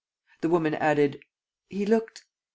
The woman added: "He looked